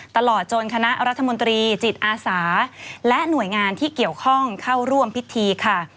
ตลอดจนคณะรัฐมนตรีจิตอาสาและหน่วยงานที่เกี่ยวข้องเข้าร่วมพิธีค่ะ